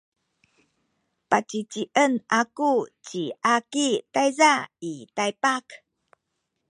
pacicien aku ci Aki tayza i Taypak.